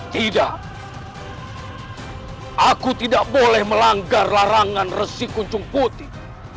tidak aku tidak boleh melanggar larangan resi kuncung putih